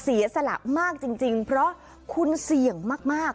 เสียสละมากจริงเพราะคุณเสี่ยงมาก